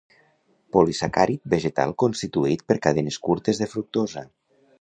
Polisacàrid vegetal constituït per cadenes curtes de fructosa.